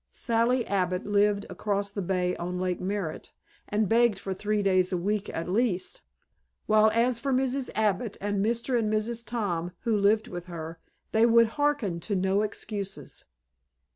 Sally Abbott lived across the Bay on Lake Merritt and begged for three days a week at least; while as for Mrs. Abbott and Mr. and Mrs. Tom, who lived with her, they would harken to no excuses.